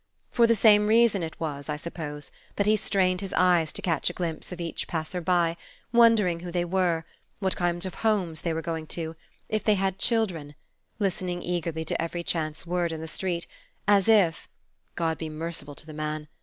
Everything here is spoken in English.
For the same reason, it was, I suppose, that he strained his eyes to catch a glimpse of each passer by, wondering who they were, what kind of homes they were going to, if they had children, listening eagerly to every chance word in the street, as if (God be merciful to the man!